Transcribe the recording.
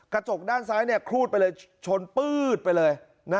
กระจกด้านซ้ายครูดไปเลยชนปื๊ดไปเลย